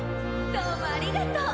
どうもありがとう。